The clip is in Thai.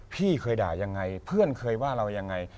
พี่เคยด่ายังไงเพื่อนเคยว่าเรายังไง